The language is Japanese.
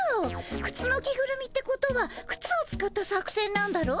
くつの着ぐるみってことはくつを使った作戦なんだろう？